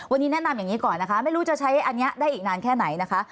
วันนี้แนะนำอย่างนี้ก่อนนะคะไม่รู้จะใช้อันนี้ได้อีกนานแค่ไหนนะคะ